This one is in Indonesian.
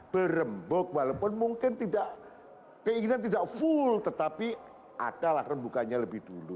berembuk walaupun mungkin tidak keinginan tidak full tetapi ada lah akan bukanya lebih dulu